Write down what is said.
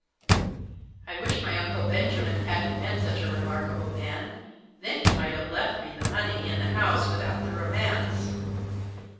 " I wish my Uncle Benjamin hadn't been such a remarkable man, then he might have left me the money and the house without the romance.